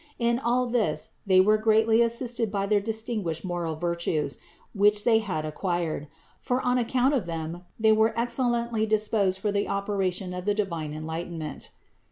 In all this they were greatly assisted by their distinguished moral virtues, which they had ac quired; for on account of them they were excellently disposed for the operation of the divine enlightenment.